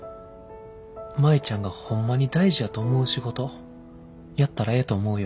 舞ちゃんがホンマに大事やと思う仕事やったらええと思うよ。